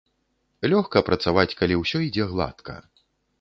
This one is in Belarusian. Лёгка працаваць, калі ўсё ідзе гладка.